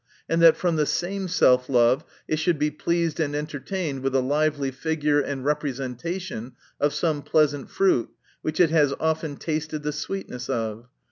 And that from the same self love it should be pleased and entertained with a lively figure and representation of some pleasant fruit which it has often tasted the sweetness of?